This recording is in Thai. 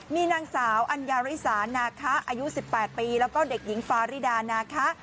มีนางสาวอัญญาริสานาคะอายุ๑๘ปีแล้วก็เด็กหญิงฟาริดานาคะ